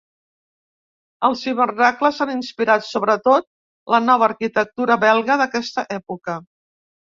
Els hivernacles han inspirat sobretot la nova arquitectura belga d'aquesta època.